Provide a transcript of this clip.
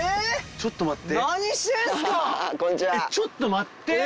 ちょっと待って！